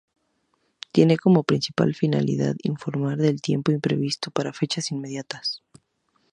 Tienen como principal finalidad informar del tiempo previsto para fechas inmediatas.